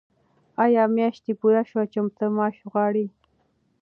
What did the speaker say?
آیا میاشت پوره شوه چې ته معاش غواړې؟